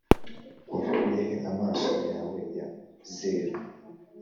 wakuye he amaso yawe ya zeru?